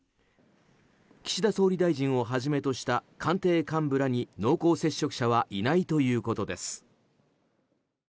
岸田総理大臣をはじめとした官邸幹部らに濃厚接触者はいないということです。